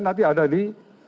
nanti ada di